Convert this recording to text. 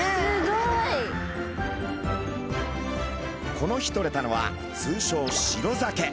この日とれたのは通称シロザケ。